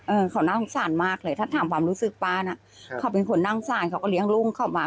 เออเขาน่าสงสารมากเลยถ้าถามความรู้สึกป้าน่ะเขาเป็นคนนั่งสารเขาก็เลี้ยงลูกเขามา